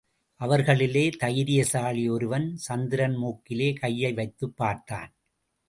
அவர்களிலே தைரியசாலி ஒருவன், சந்திரன் மூக்கிலே கையை வைத்துப் பார்த்தான்.